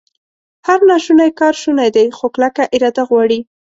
هر ناشونی کار شونی دی، خو کلکه اراده غواړي